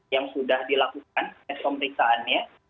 yang sudah dilakukan periksaannya